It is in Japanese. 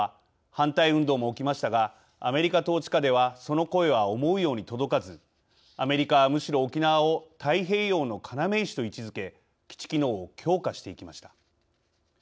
反対運動も起きましたがアメリカ統治下ではその声は思うように届かずアメリカは、むしろ沖縄を太平洋の要石と位置づけ基地機能を強化していきました。